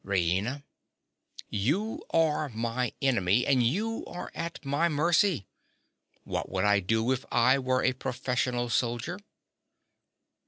RAINA. You are my enemy; and you are at my mercy. What would I do if I were a professional soldier?